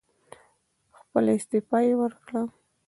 خپله استعفی یې ورکړه.